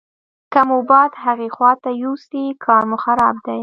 که مو باد هغې خواته یوسي کار مو خراب دی.